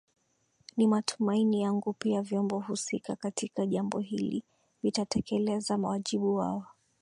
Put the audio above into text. Ni matumaini yangu pia vyombo husika katika jambo hili vitatekeleza wajibu wao